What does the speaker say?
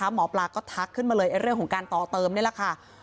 หมอปลาก็ทักขึ้นมาเลยเรื่องของการต่อเติมนี่แหละค่ะ